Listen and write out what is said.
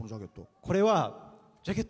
このジャケット。